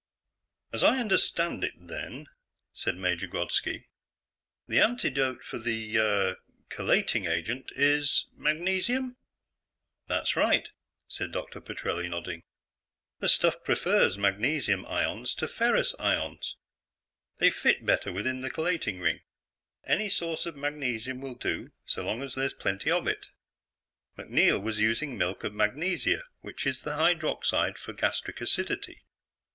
"As I understand it, then," said Major Grodski, "the antidote for the ... uh ... chelating agent is magnesium?" "That's right," said Dr. Petrelli, nodding. "The stuff prefers magnesium ions to ferrous ions. They fit better within the chelating ring. Any source of magnesium will do, so long as there's plenty of it. MacNeil was using milk of magnesia, which is the hydroxide, for 'gastric acidity'.